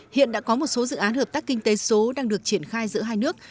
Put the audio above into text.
hiện đã có một số dự án hợp tác kinh tế số đang được triển khai giữa hai nước